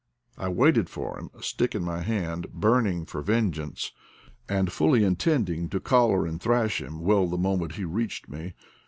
I waited for him, a stick in my hand, burning for vengeance, and fully intending to collar and thrash him well the moment he reached me.